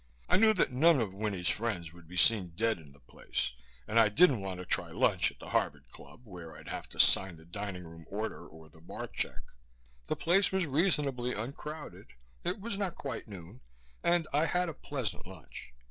I knew that none of Winnie's friends would be seen dead in the place and I didn't want to try lunch at the Harvard Club, where I'd have to sign the dining room order or the bar check. The place was reasonably uncrowded it was not quite noon and I had a pleasant lunch.